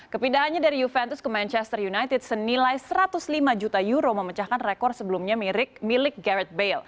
kepindahannya dari juventus ke manchester united senilai satu ratus lima juta euro memecahkan rekor sebelumnya milik garrit bail